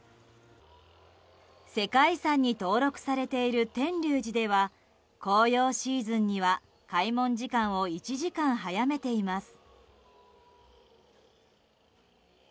世界遺産に登録されている天龍寺では紅葉シーズンには開門時間を１時間早めています。